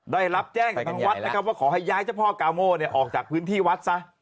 ได้รับแจ้งจากทางวัดนะครับว่าขอให้ย้ายเจ้าพ่อกาโม่ออกจากพื้นที่วัดซะ